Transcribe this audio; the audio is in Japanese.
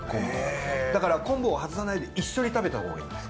だから昆布を外さないで一緒に食べたほうがいいです。